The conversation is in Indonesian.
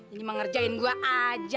ini mengerjain gue aja